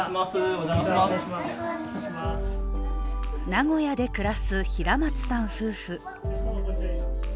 名古屋で暮らす平松さん夫婦。